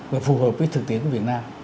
và phù hợp với thực tiễn của việt nam